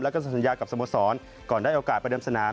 แล้วก็สัญญากับสโมสรก่อนได้โอกาสประเดิมสนาม